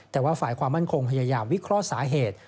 แต่ว่าฝ่ายความมั่นคงพยายามวิเคราะห์สาเหตุ